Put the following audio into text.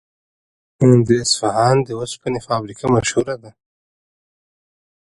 د اصفهان د وسپنې فابریکه مشهوره ده.